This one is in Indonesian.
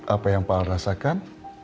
apa yang pak al rasakan